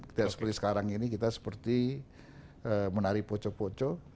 tidak seperti sekarang ini kita seperti menari poco poco